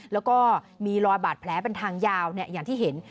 แล้วก็มีรอยบาดแผลเป็นทางยาวอย่างที่เห็น